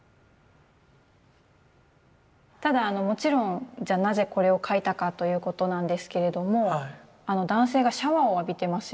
ただもちろんじゃなぜこれを描いたかということなんですけれども男性がシャワーを浴びてますよね。